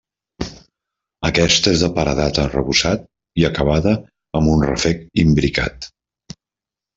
Aquesta és de paredat arrebossat i acabada amb un ràfec imbricat.